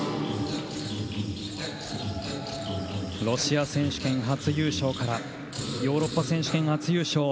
ロシア選手権初優勝からヨーロッパ選手権初優勝。